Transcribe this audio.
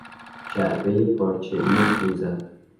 جعبه پارچه ای سوزن